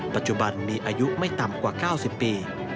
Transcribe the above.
ปัจจุบันมีอายุไม่ต่ำกว่า๙๐ปี